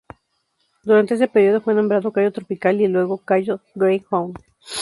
Durante ese período, fue nombrado Cayo tropical, y luego Cayo Greyhound.